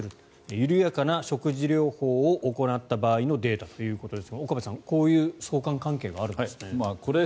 緩やかな食事療法を行った場合のデータということで岡部さん、こういう相関関係があるんですね。